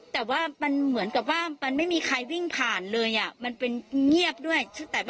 แต่ว่ามันเหมือนกับว่ามันไม่มีใครวิ่งผ่านเลยอ่ะมันเป็นเงียบด้วย